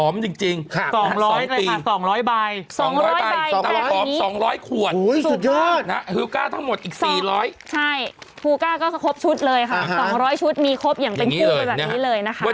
มีครบอย่างเป็นคู่แบบนี้เลยนะคะ